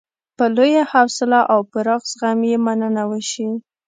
په لویه حوصله او پراخ زغم یې مننه وشي.